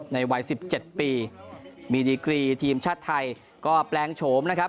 ในวัย๑๗ปีมีดีกรีทีมชาติไทยก็แปลงโฉมนะครับ